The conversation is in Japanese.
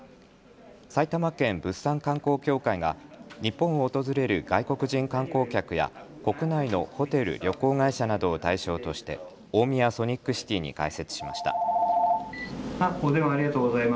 埼玉県物産観光協会が日本を訪れる外国人観光客や国内のホテル・旅行会社などを対象として大宮ソニックシティに開設しました。